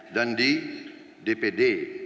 dan di dpd